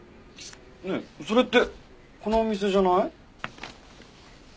ねえそれってこのお店じゃない？